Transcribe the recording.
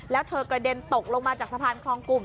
แล้วเธอกระเด็นตกลงมาจากสะพานคลองกลุ่ม